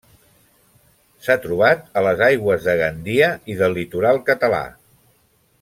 S'ha trobat a les aigües de Gandia i del litoral català.